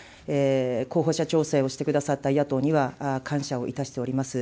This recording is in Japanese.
候補者調整をしてくださった野党には、感謝をいたしております。